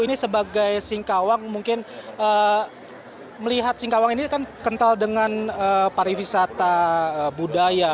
ini sebagai singkawang mungkin melihat singkawang ini kan kental dengan pariwisata budaya